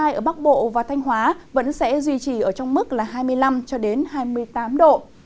nhiệt độ cao nhất ngày mai ở bắc bộ và thanh hóa vẫn sẽ duy trì ở trong mức hai mươi năm hai mươi tám độ